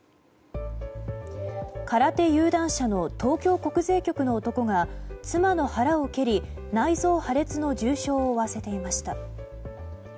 空手有段者の東京国税局の男が妻の腹を蹴り、内臓破裂の重傷を負わせていました。